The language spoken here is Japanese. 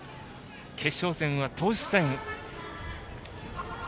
決勝戦は投手戦。